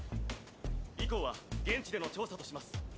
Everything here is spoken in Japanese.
以降は現地での調査とします。